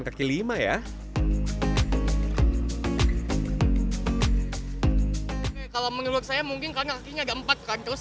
kaki lima ya kalau menurut saya mungkin karena kakinya ada empat kan terus